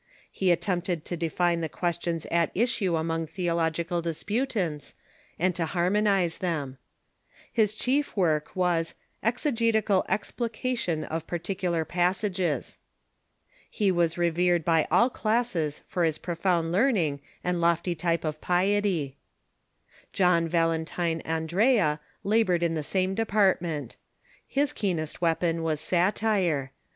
He attempted to define the questions at issue among theological disputants, and to har monize them. His chief work was "Excgetical Explication of Particular Passages." He was revered by all classes for his profound learning and lofty type of piety. John Valen tine Andrea labored in the same department. His keenest weapon was satire.